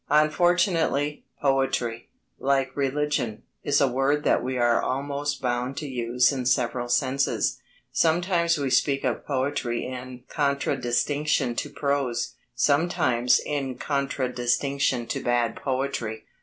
Unfortunately, "poetry," like "religion," is a word that we are almost bound to use in several senses. Sometimes we speak of "poetry" in contradistinction to prose: sometimes in contradistinction to bad poetry.